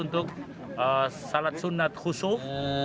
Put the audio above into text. untuk salat sunnat khusuf